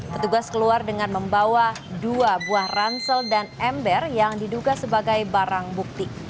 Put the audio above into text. petugas keluar dengan membawa dua buah ransel dan ember yang diduga sebagai barang bukti